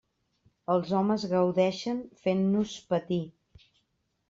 Els homes gaudeixen fent-nos patir.